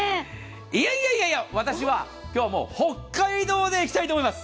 いやいや、私は今日は北海道でいきたいと思います。